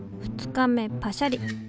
２日目パシャリ。